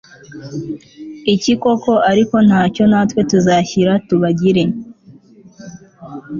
iki koko Ariko ntacyo natwe tuzashyira tubagire